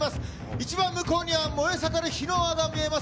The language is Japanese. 一番向こうには燃え盛る火の輪が見えます。